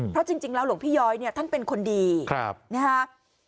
เพราะจริงแล้วหลวงพี่ย้อยเนี่ยท่านเป็นคนดีนะฮะ